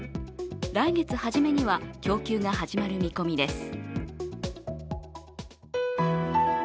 来月初めには供給が始まる見込みです。